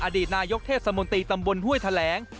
อดีตนายกเทศมนตรีตำบลห้วยแถลง